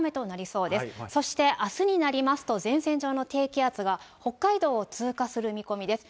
そしてあすになりますと、前線上の低気圧が北海道を通過する見込みです。